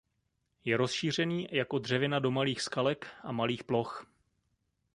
Je rozšířený jako dřevina do malých skalek a malých ploch.